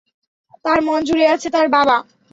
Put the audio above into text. তার মন জুড়ে আছে তার বাবা।